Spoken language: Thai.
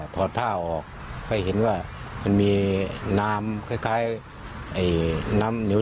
ถอดท่าออกก็เห็นว่ามันมีน้ำคล้ายคล้ายไอ้น้ำเหนียว